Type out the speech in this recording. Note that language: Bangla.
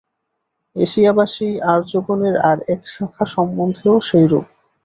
এশিয়াবাসী আর্যগণের আর এক শাখা সম্বন্ধেও সেইরূপ।